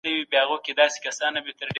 په مرستو کي باید قومي او سمتي تبعیض ونه سي.